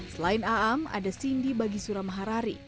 selain aam ada sindi bagisura maharari